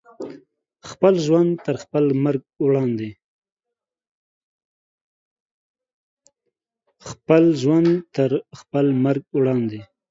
خپل ژوند تر خپل مرګ وړاندې